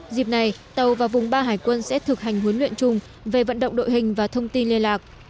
dịp này tàu và vùng ba hải quân sẽ thực hành huấn luyện chung về vận động đội hình và thông tin liên lạc